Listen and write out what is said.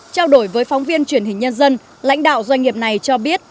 trao đổi với phóng viên truyền hình nhân dân lãnh đạo doanh nghiệp này cho biết